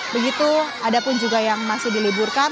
begitu ada pun juga yang masih diliburkan